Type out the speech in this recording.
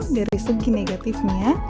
dari segi negatifnya